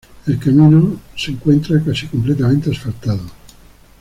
El camino se encuentra casi completamente asfaltado.